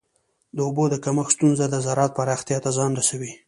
د اوبو د کمښت ستونزه د زراعت پراختیا ته زیان رسوي.